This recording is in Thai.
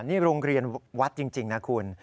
นี่โรงเรียนวัดจริงนะคุณ